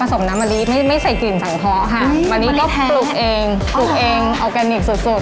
อันนี้ก็ปลุกเองปลุกเองอวกรานิคสุด